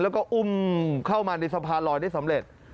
แล้วก็อุ้มเข้ามาในสะพานลอยได้สำเร็จ